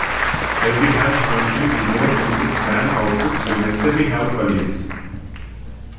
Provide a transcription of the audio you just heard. Every hash function with more inputs than outputs will necessarily have collisions.